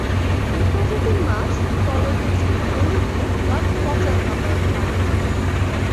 এ প্রজাতির মাছ তলদেশে গলিত বা পচা খাবার খায়।